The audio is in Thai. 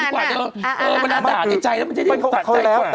มันน่าด่าใจแล้ว